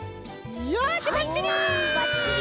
よしばっちり！